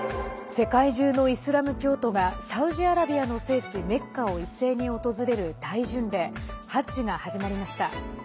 世界中のイスラム教徒がサウジアラビアの聖地メッカを一斉に訪れる大巡礼ハッジが始まりました。